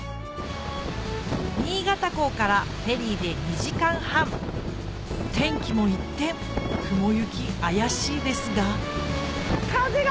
新潟港からフェリーで２時間半天気も一転雲行き怪しいですが風が！